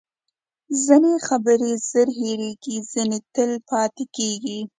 ځینې خبرې زر هیرېږي، ځینې تل پاتې کېږي.